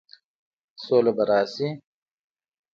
سوله به راشي؟